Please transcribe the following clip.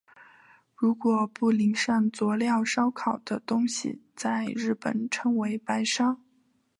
如果不淋上佐料烧烤的东西在日本称为白烧。